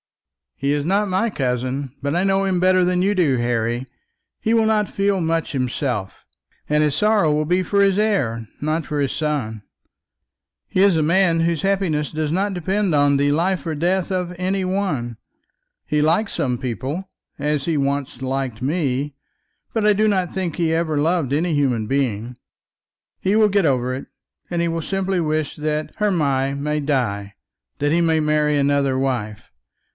"He is not my cousin, but I know him better than you do, Harry. He will not feel much himself, and his sorrow will be for his heir, not for his son. He is a man whose happiness does not depend on the life or death of any one. He likes some people, as he once liked me; but I do not think that he ever loved any human being. He will get over it, and he will simply wish that Hermy may die, that he may marry another wife.